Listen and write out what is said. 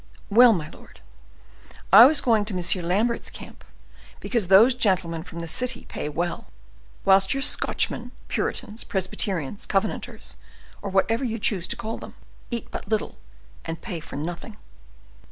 "Well, my lord, I was going to M. Lambert's camp because those gentlemen from the city pay well—whilst your Scotchmen, Puritans, Presbyterians, Covenanters, or whatever you chose to call them, eat but little, and pay for nothing."